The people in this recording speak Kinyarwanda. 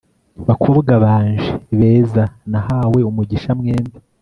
bakobwa banje beza, nahawe umugisha mwembi ..